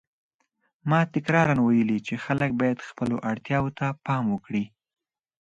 ما تکراراً ویلي چې خلک باید خپلو اړتیاوو ته پام وکړي.